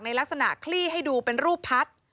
ลักษณะคลี่ให้ดูเป็นรูปพัด